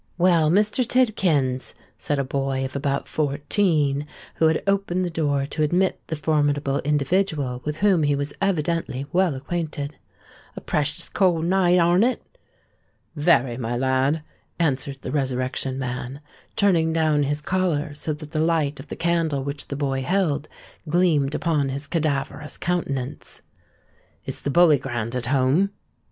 "Well, Mr. Tidkins," said a boy of about fourteen, who had opened the door to admit the formidable individual with whom he was evidently well acquainted: "a preshus cold night, arn't it?" "Very, my lad," answered the Resurrection Man, turning down his collar, so that the light of the candle which the boy held, gleamed upon his cadaverous countenance. "Is the Bully Grand at home?"